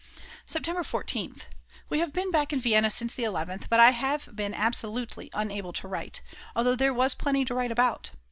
September 14th. We have been back in Vienna since the 11th, but I have been absolutely unable to write, though there was plenty to write about.